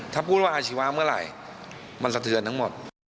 ถ้าพูดว่าอาชีวะเมื่อไหร่มันสะเทือนทั้งหมด